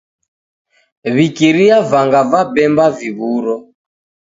W'ikiria vanga va bemba viw'uro